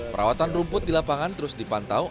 perawatan rumput di lapangan terus dipantau